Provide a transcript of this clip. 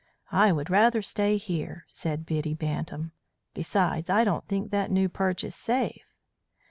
"I would rather stay here," said Biddy Bantam. "Besides, I don't think that new perch is safe."